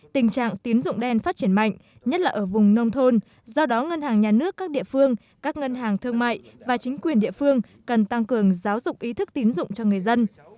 tình trạng tín dụng đen phát triển mạnh nhất là ở vùng nông thôn do đó ngân hàng nhà nước các địa phương các ngân hàng thương mại và chính quyền địa phương cần tăng cường giáo dục ý thức tín dụng cho người dân